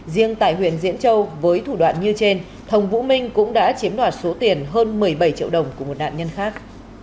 riêng tại huyện diễn châu với thủ đoạn như trên thồng vũ minh cũng đã chiếm đoạt số tiền hơn một mươi bảy triệu đồng của một nạn nhân khác